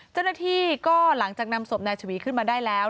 เจ้าหน้าที่ก็หลังจากนำศพนายฉวีขึ้นมาได้แล้ว